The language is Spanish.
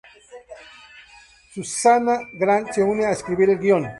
Susannah Grant se une a escribir el guion.